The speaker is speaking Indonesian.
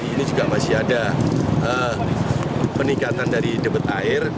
ini juga masih ada peningkatan dari debit air